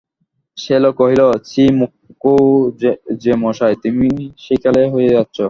শৈল কহিল, ছি মুখুজ্যেমশায়, তুমি সেকেলে হয়ে যাচ্ছ।